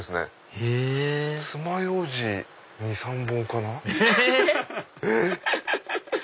へぇつまようじ２３本かな。え？